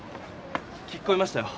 聞きこみましたよ。